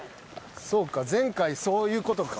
そうか前回そういうことか。